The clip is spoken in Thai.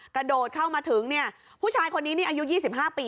กระโดดเข้ามาถึงเนี่ยผู้ชายคนนี้นี่อายุ๒๕ปี